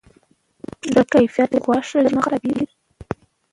د ښه کیفیت غوښه ژر نه خرابیږي.